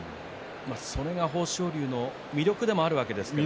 それが豊昇龍の魅力でもあるんですよね。